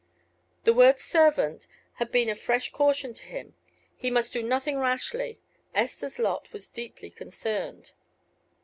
The word "servant" had been a fresh caution to him. He must do nothing rashly. Esther's lot was deeply concerned.